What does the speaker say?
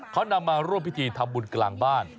เขานำมาร่วมพิธีทำบุญกลางบ้าน